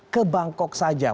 ke bangkok saja